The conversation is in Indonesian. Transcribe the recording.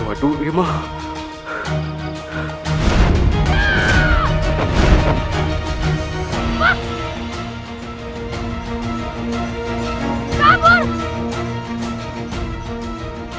ia harus melakukan sesuatu